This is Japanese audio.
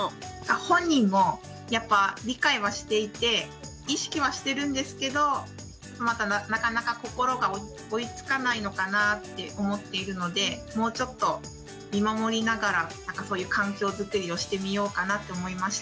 本人もやっぱ理解はしていて意識はしてるんですけどまだなかなか心が追いつかないのかなって思っているのでもうちょっと見守りながらなんかそういう環境づくりをしてみようかなって思いました。